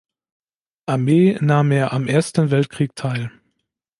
Armee nahm er am Ersten Weltkrieg teil.